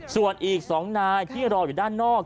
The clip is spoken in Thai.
ส่วนอีก๒นายที่รออยู่ด้านนอก